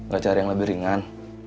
gak cari yang lebih ringan